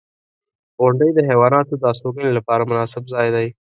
• غونډۍ د حیواناتو د استوګنې لپاره مناسب ځای دی.